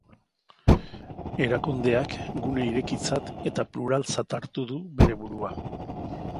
Erakundeak gune irekitzat eta pluraltzat hartu du bere burua.